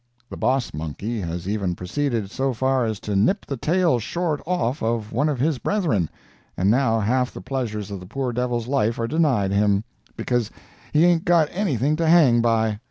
The boss monkey has even proceeded so far as to nip the tail short off of one of his brethren, and now half the pleasures of the poor devil's life are denied him, because he hain't got anything to hang by.